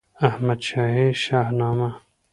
احمدشاهي شهنامه